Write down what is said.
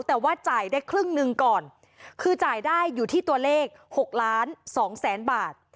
แต่ว่าจ่ายได้ครึ่งหนึ่งก่อนคือจ่ายได้อยู่ที่ตัวเลข๖ล้านสองแสนบาท